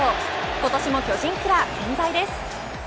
今年も巨人キラー健在です。